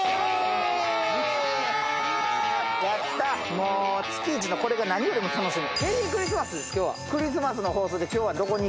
もう、月１のこれが何よりの楽しみ。